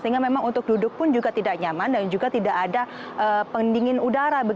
sehingga memang untuk duduk pun juga tidak nyaman dan juga tidak ada pendingin udara